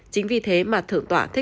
chính vì thế mà thượng tọa thích minh tuệ